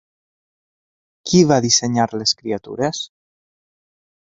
Qui va dissenyar les criatures?